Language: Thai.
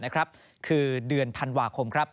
คือเดือนธันวาคม